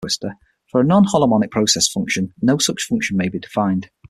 For a non-holonomic process function, no such function may be defined.